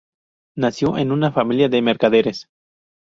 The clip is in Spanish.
Nació en una familia de mercaderes.